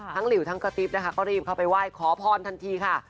หลิวทั้งกระติ๊บนะคะก็รีบเข้าไปไหว้ขอพรทันทีค่ะ